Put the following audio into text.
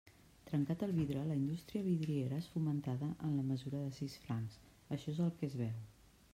Trencat el vidre, la indústria vidriera és fomentada en la mesura de sis francs; això és el que es veu.